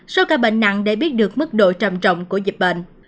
số ca bệnh nặng để biết được mức độ trầm trọng của dịch bệnh